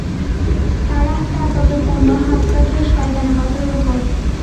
Sarah তার পাপে পূর্ণ হাত কাটলো শয়তানের পাথরের উপর।